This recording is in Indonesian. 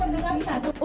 saya akan mendengarkan